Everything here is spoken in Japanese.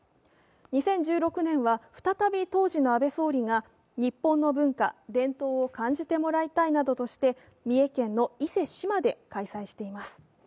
２０１６年は再び当時の安倍総理が日本の文化・伝統を感じてもらいたいなどとして三重県の伊勢志摩で開催しています。